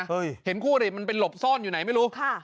เห็นคู่อริมันไปหลบซ่อนอยู่ไหนไม่รู้ค่ะ